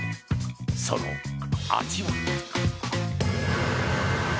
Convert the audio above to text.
その味は。